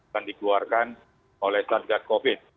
yang dikeluarkan oleh satgas covid